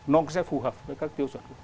nó sẽ phù hợp với các tiêu chuẩn